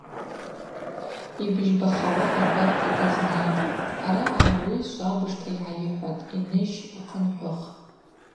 Йбыжьбахауа агварта дазнайтӏ, Араъа ауи швабыжта йгӏайыхӏватӏ: Йныжь, ухъынхӏвых.